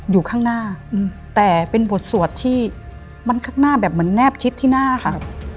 อยู่ข้างหน้าแต่เป็นบทสวดที่มันข้างหน้าแบบเหมือนแนบคิดที่หน้าค่ะ